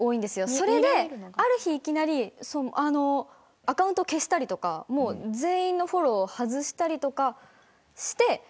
それが、ある日いきなりアカウントを消したりとか全員のフォローを外したりとかして。